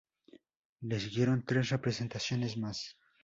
Le siguieron tres representaciones más.